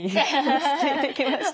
落ち着いてきました！